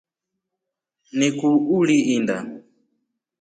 Niku uli inda.